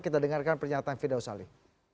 kita dengarkan pernyataan firdaus ali